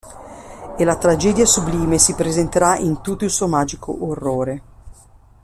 E la tragedia sublime si presenterà in tutto il suo magico orrore.